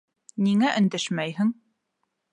Ниңә өндәшмәйһең?!